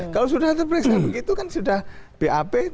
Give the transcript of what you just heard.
kalau sudah terperiksa begitu kan sudah bap